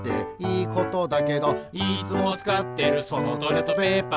「いつもつかってるそのトイレットペーパー」